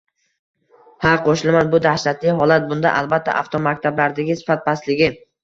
Ha qo‘shilaman bu dahshatli holat. Bunda albatta avtomaktablardagi sifat pastligi